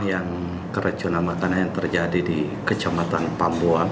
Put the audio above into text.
yang kerecunan makanan yang terjadi di kecamatan pambuang